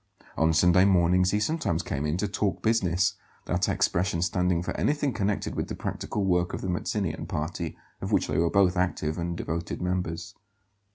On Sunday mornings he sometimes came in to "talk business," that expression standing for anything connected with the practical work of the Mazzinian party, of which they both were active and devoted members.